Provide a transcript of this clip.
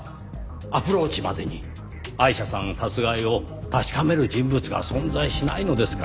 アプローチまでにアイシャさん殺害を確かめる人物が存在しないのですから。